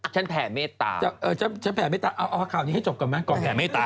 ฉันแผ่เมตตาเออเอาว่าข่าวนี้ให้จบกันไหมก่อนแผ่เมตตา